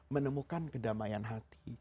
menemukan kedamaian hati